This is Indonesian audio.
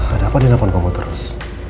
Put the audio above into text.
ada apa dia nelfon kamu terus